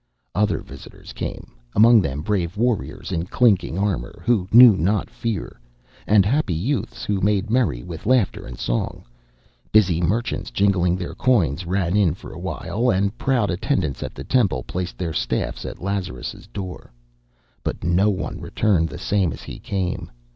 Other visitors came, among them brave warriors in clinking armour, who knew not fear, and happy youths who made merry with laughter and song. Busy merchants, jingling their coins, ran in for awhile, and proud attendants at the Temple placed their staffs at Lazarus' door. But no one returned the same as he came.